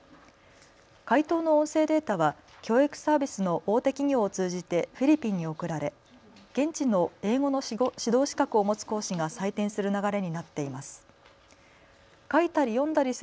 解答の音声データは教育サービスの大手企業を通じてフィリピンに送られ現地の英語の指導資格を持つ講師が採点する流れになっています。